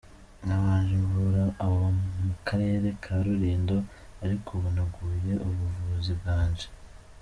Nabanje mvura abo mu karere ka Rulindo, ariko ubu naguye ubuvuzi bwanje.